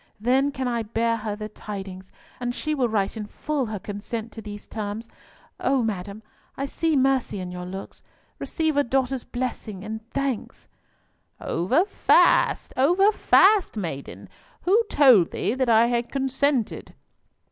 Then can I bear her the tidings, and she will write in full her consent to these terms. O madam, I see mercy in your looks. Receive a daughter's blessing and thanks!" "Over fast, over fast, maiden. Who told thee that I had consented?"